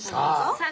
さあ。